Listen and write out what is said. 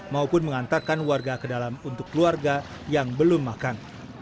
maupun mengantarkan warga ke dalam untuk keluarga yang belum makan